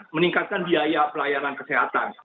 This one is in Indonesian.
meningkatkan biaya pelayanan kesehatan